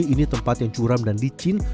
ini tempat yang curam dan licin